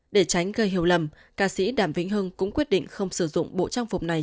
để tránh gây hiểu lầm ca sĩ đàm vĩnh hưng cũng quyết định không sử dụng bộ trang phục này